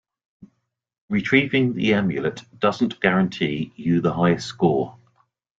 Retrieving the Amulet doesn't guarantee you the high score.